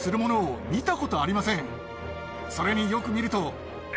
それによく見ると。